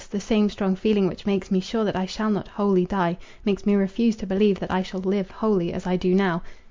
the same strong feeling which makes me sure that I shall not wholly die, makes me refuse to believe that I shall live wholly as I do now.